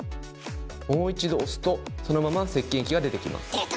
もう一度押すとそのまませっけん液が出てきます。